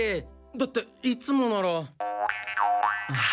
だっていつもなら。